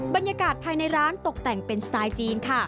บรรยากาศภายในร้านตกแต่งเป็นสไตล์จีนค่ะ